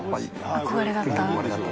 憧れだった？